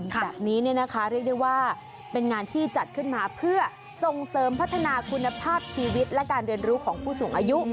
แบบนี้เนี่ยนะคะเรียกได้ว่าเป็นงานที่จัดขึ้นมาเพื่อส่งเสริมพัฒนาคุณภาพชีวิตและการเรียนรู้ของผู้สูงอายุ